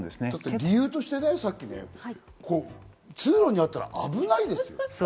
理由として通路にあったら危ないですよ。